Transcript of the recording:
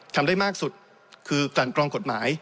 ทำได้มากสุดคือกลั่นกรองกฎหมาย